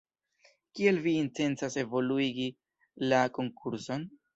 Kiel vi intencas evoluigi la konkurson?